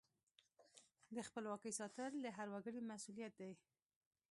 د خپلواکۍ ساتل د هر وګړي مسؤلیت دی.